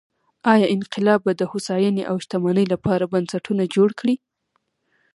ایا انقلاب به د هوساینې او شتمنۍ لپاره بنسټونه جوړ کړي؟